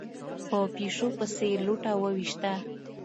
په پيشو پسې يې لوټه وويشته.